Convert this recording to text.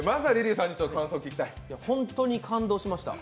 本当に感動しました。